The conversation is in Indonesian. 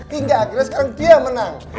hingga akhirnya sekarang dia menang